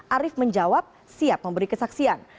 arief menjawab siap memberi kesaksian